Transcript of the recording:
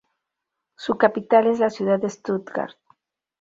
Su capital es la ciudad de Stuttgart.